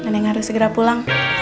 neng harus segera pulang